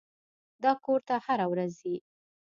دا کور ته هره ورځ ځي.